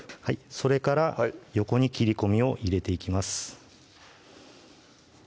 それから横に切り込みを入れていきます